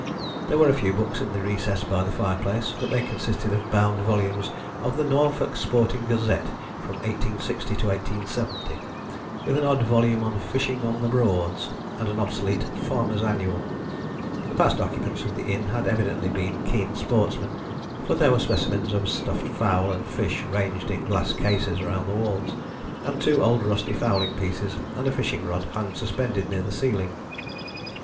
There were a few books in the recess by the fireplace, but they consisted of bound volumes of The Norfolk Sporting Gazette from 1860 to 1870, with an odd volume on Fishing on the Broads and an obsolete Farmers' Annual. The past occupants of the inn had evidently been keen sportsmen, for there were specimens of stuffed fowl and fish ranged in glass cases around the walls, and two old rusty fowling pieces and a fishing rod hung suspended near the ceiling.